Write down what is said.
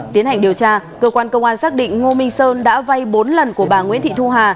tiến hành điều tra cơ quan công an xác định ngô minh sơn đã vay bốn lần của bà nguyễn thị thu hà